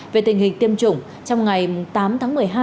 về tình hình tiêm chủng trong ngày tám tháng một mươi hai